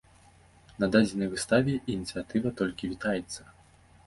На дадзенай выставе ініцыятыва толькі вітаецца.